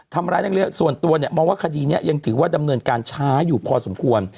ทำร้ายนักเรียนส่วนตัวเนี่ยมองว่าคดีนี้ยังถือว่าดำเนินการช้าอยู่พอสมควร